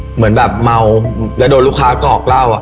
เหมือนแบบเมาแล้วโดนลูกค้ากรอกเหล้าอ่ะ